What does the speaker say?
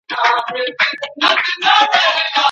الله تعالی ته د خپل مخلوق مزاجونه پوره معلوم دي.